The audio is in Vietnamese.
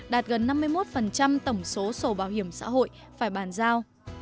đạt gần năm mươi một tổng số sổ bảo hiểm xã hội phải bàn giao